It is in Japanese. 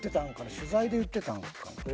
取材で言ってたんか？